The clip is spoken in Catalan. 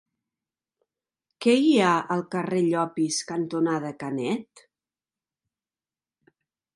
Què hi ha al carrer Llopis cantonada Canet?